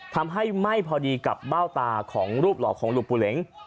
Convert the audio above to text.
ทำให้ไม่พอดีกับเบ้าตาของรูปหล่อของหลวงปู่เหล็ง